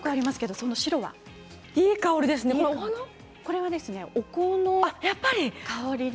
それはお香の香りで。